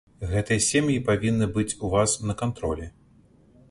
Гэтыя сем'і павінны быць у вас на кантролі.